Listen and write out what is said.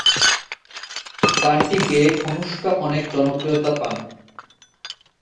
গানটি গেয়ে অনুষ্কা অনেক জনপ্রিয়তা পান।